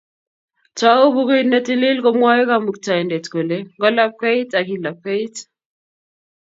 Tou bukuit ne tilil komwoe Kamuktaindet kole ngolapkeit, ak kilapkeit.